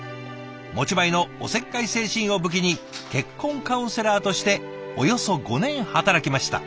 持ち前のおせっかい精神を武器に結婚カウンセラーとしておよそ５年働きました。